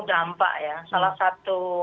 dampak ya salah satu